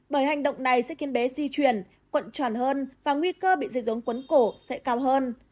bởi hành động này sẽ khiến bé di chuyển quận tròn hơn và nguy cơ bị dây rốn quấn cổ sẽ cao hơn